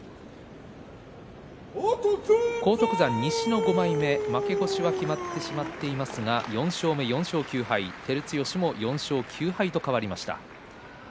荒篤山、西の５枚目、負け越しが決まってしまっていますが４勝９敗照強も４勝９敗と変わりました。